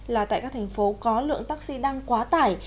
là tại các thành phố có lượng taxi đang quá tải